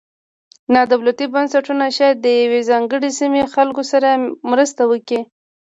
نا دولتي بنسټونه شاید د یوې ځانګړې سیمې خلکو سره مرسته وکړي.